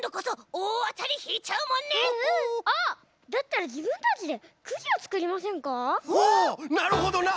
おおなるほどな！